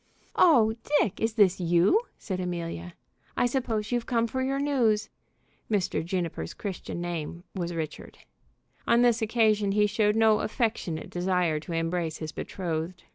"Oh, Dick, is this you?" said Amelia. "I suppose you've come for your news." (Mr. Juniper's Christian name was Richard.) On this occasion he showed no affectionate desire to embrace his betrothed.